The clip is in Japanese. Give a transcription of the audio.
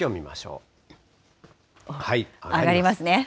上がりますね。